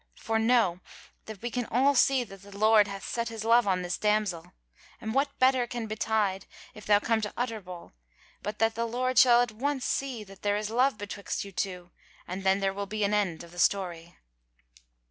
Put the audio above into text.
For know, that we can all see that the Lord hath set his love on this damsel; and what better can betide, if thou come to Utterbol, but that the Lord shall at once see that there is love betwixt you two, and then there will be an end of the story."